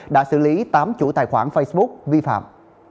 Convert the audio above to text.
đã xử lý tám chủ tài khoản facebook vi phạm